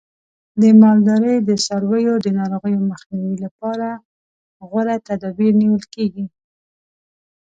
د مالدارۍ د څارویو د ناروغیو مخنیوي لپاره غوره تدابیر نیول کېږي.